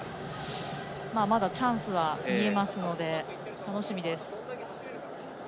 まだチャンスは見えますので楽しみです。